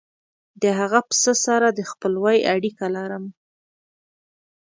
د هغه پسه سره د خپلوۍ اړیکه لرم.